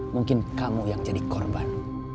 mungkin kamu yang jadi korban